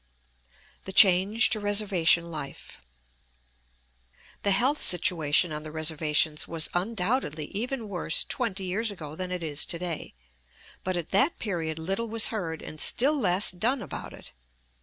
THE CHANGE TO RESERVATION LIFE The health situation on the reservations was undoubtedly even worse twenty years ago than it is to day, but at that period little was heard and still less done about it.